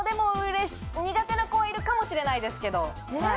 苦手な子はいるかもしれないですけど。